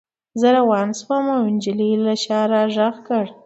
زه روان شوم او نجلۍ له شا را غږ کړ